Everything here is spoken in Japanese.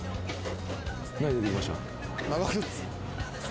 何出てきました？